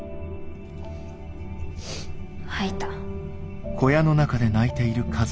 ・吐いた。